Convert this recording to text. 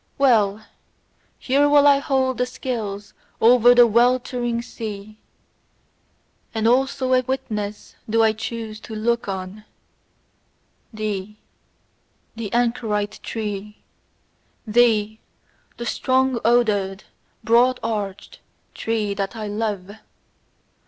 Well! Here will I hold the scales over the weltering sea: and also a witness do I choose to look on thee, the anchorite tree, thee, the strong odoured, broad arched tree that I love!